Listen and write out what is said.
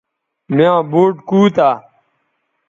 میاں بوٹ کوتہ